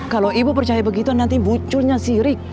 kalau ibu percaya begitu nanti munculnya sirik